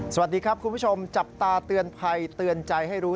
สวัสดีครับคุณผู้ชมจับตาเตือนภัยเตือนใจให้รู้